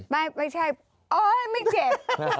ไม่ใช่โอ๊ยไม่เจ็บ